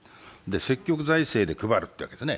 積極財政で配るってわけですね。